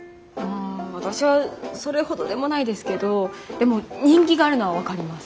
私はそれほどでもないですけどでも人気があるのは分かります。